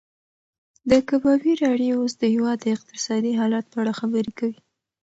د کبابي راډیو اوس د هېواد د اقتصادي حالت په اړه خبرې کوي.